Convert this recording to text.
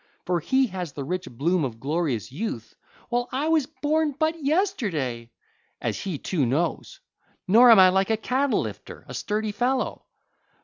For he has the rich bloom of glorious youth, while I was born but yesterday—as he too knows—nor am I like a cattle lifter, a sturdy fellow.